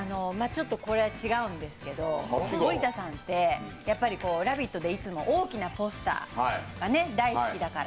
ちょっとこれは違うんですけど、森田さんって「ラヴィット！」でいつも、大きなポスターが大好きだから。